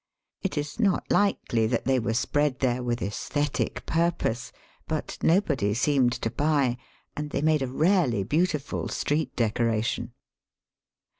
It is not likely that they were spread there with aesthetic purpose ; but nobody seemed to buy, and they made a rarely beautiful street decoration.